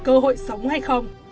cơ hội sống hay không